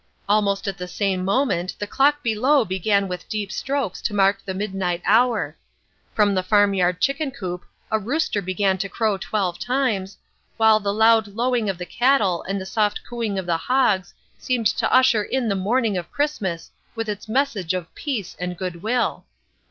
Almost at the same moment the clock below began with deep strokes to mark the midnight hour; from the farmyard chicken coop a rooster began to crow twelve times, while the loud lowing of the cattle and the soft cooing of the hogs seemed to usher in the morning of Christmas with its message of peace and goodwill.